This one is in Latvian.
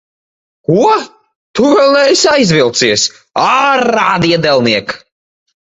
Ko? Tu vēl neesi aizvilcies? Ārā, diedelniek!